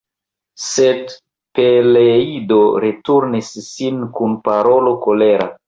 Sed Peleido returnis sin kun parolo kolera.